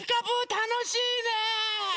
たのしいね。